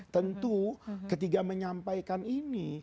tentu ketika menyampaikan ini